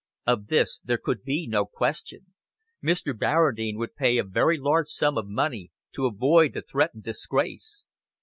Of this there could be no question. Mr. Barradine would pay a very large sum of money to avoid the threatened disgrace.